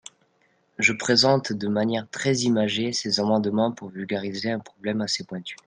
Je présente de manière très imagée ces amendements pour vulgariser un problème assez pointu.